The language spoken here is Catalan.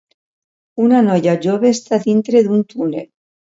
Una noia jove està dintre d'un túnel.